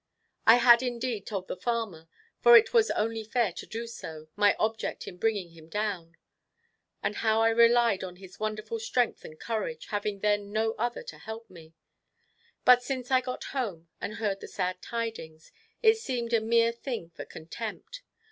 I had indeed told the farmer, for it was only fair to do so, my object in bringing him down; and how I relied on his wonderful strength and courage, having then no other to help me; but since I got home, and heard the sad tidings, it seemed a mere thing for contempt.